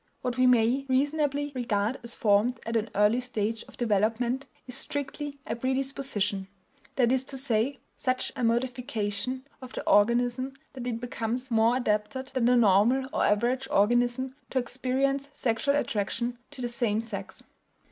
What we may reasonably regard as formed at an early stage of development is strictly a predisposition; that is to say, such a modification of the organism that it becomes more adapted than the normal or average organism to experience sexual attraction to the same sex.